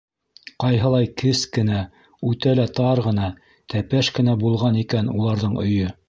Ҡайһылай кес кенә, үтә лә тар ғына, тәпәш кенә булған икән уларҙың өйө.